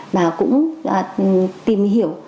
và cũng tìm hiểu